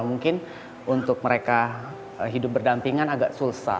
mungkin untuk mereka hidup berdampingan agak susah